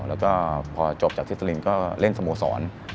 แล้วก็พอจบจากเทพศรีนฯก็เล่นสโมสร